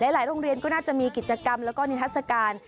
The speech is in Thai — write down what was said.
หลายโรงเรียนก็น่าจะมีกิจกรรมแล้วก็นิทัศกาล